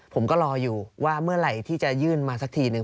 ผมก็รออยู่ว่าเมื่อไหร่ที่จะยื่นมาสักทีนึง